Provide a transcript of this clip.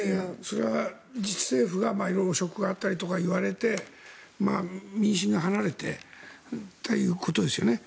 それは自治政府が汚職があったりとか言われて民心が離れてということですよね。